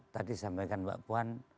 tadi sampaikan mbak puan